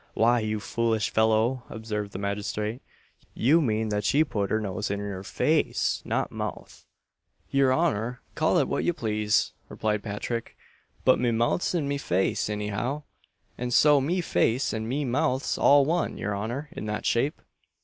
"Why, you foolish fellow," observed the magistrate, "you mean that she put her nose in your face not mouth." "Your honour'll call it what ye plase," replied Patrick, "but me mouth's in me face any how; and so me face and me mouth's all one, your honour, in that shape."